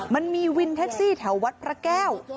มันมีวินแท็กซี่แถววัดพระแก้ว